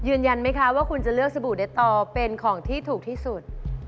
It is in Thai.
ยืนยันไหมคะว่าคุณจะเลือกสบู่เดตต่อเป็นของที่ถูกที่สุด